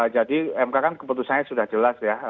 jadi mk kan keputusannya sudah jelas ya